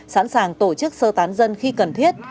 sẵn sàng tổ chức sơ tán dân khi cần thiết